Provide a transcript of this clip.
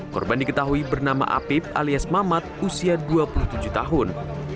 korban diketahui bernama apip alias mamat usia dua puluh tujuh tahun